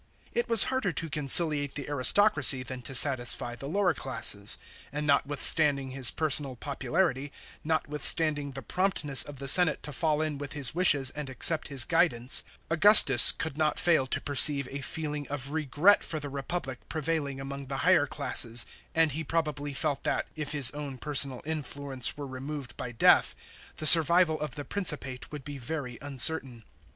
It was harder to conciliate the aristocracy than to satisfy the lower classes; and notwithstanding his personal popularity, not withstanding the promp ness of the senate to fall in with his wishes and accept his guidance, Augustus could not fill to perceive a feeling of regret for the Kepublic prevailing among the higher classes, and he probably felt that, if his own personal influence were removed by death, the survival of the Principate would be very uncertain.